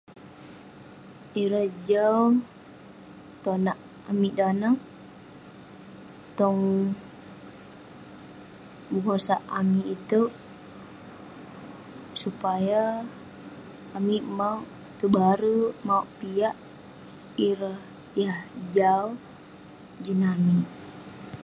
Ireh jau tonak amik danag tong bengosak amik itouk supaya amik mauk tebare, mauk piak ireh yah jau jin amik.